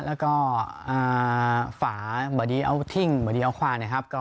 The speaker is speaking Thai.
แล้วก็ฝาบดี้เอาถิ้งบดี้เอาขวา